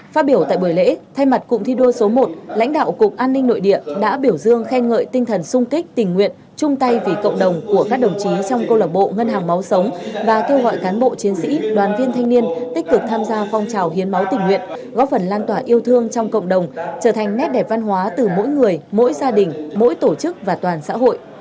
phát biểu tại buổi lễ thay mặt cụ thi đua số một lãnh đạo cục an ninh nội địa đã biểu dương khen ngợi tinh thần sung kích tỉnh nguyện chung tay vì cộng đồng của các đồng chí trong câu lạc bộ ngân hàng máu sống và kêu gọi cán bộ chiến sĩ đoàn viên thanh niên tích cực tham gia phong trào hiến máu tỉnh nguyện góp phần lan tỏa yêu thương trong cộng đồng trở thành nét đẹp văn hóa từ mỗi người mỗi gia đình mỗi tổ chức và toàn xã hội